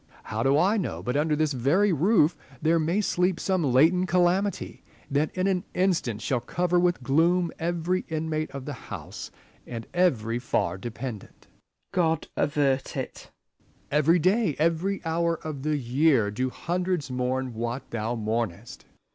How do I know but under this very roof there may sleep some latent calamity, that in an instant shall cover with gloom every inmate of the house, and every far dependent 1 Spenser, God avert it ! Essex. Every day, every hour of the year, do hundreds mourn what thou mournest.